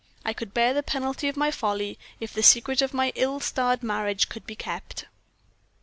I could bear the penalty of my folly, if the secret of my ill starred marriage could be kept."